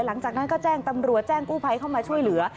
หลังจากนั้นก็แจ้งตำรวจแจ้งกู้ภัยเข้ามาช่วยเหลือ